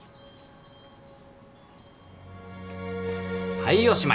はいおしまい！